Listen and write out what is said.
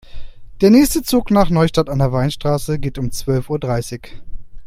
Der nächste Zug nach Neustadt an der Weinstraße geht um zwölf Uhr dreißig